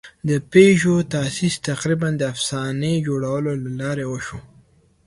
د پيژو تاسیس تقریباً د افسانې جوړولو له لارې وشو.